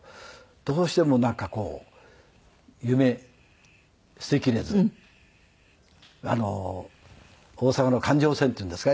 どうしてもなんかこう夢捨てきれず大阪の環状線っていうんですか。